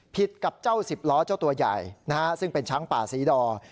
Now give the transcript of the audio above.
กับเจ้าสิบล้อเจ้าตัวใหญ่ซึ่งเป็นช้างป่าศรีดอ